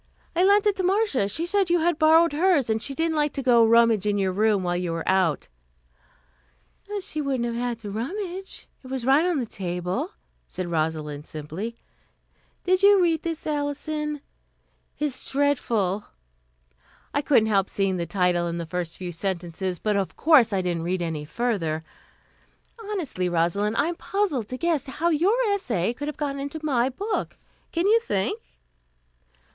I lent it to Marcia. She said you had borrowed hers, and she didn't like to go and rummage in your room while you were out " "She wouldn't have had to rummage. It was right on the table," said Rosalind simply. "Did you read this, Alison? It's dreadful " "I couldn't help seeing the title and the first few sentences, but of course I didn't read any further. Honestly, Rosalind, I am puzzled to guess how your essay could have got into my book. Can you think?"